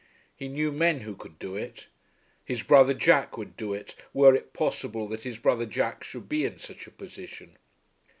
He knew men who could do it. His brother Jack would do it, were it possible that his brother Jack should be in such a position.